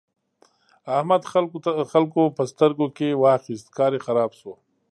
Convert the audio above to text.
احمد خلګو په سترګو کې واخيست؛ کار يې خراب شو.